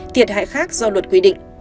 thiệt hại khác do luật quy định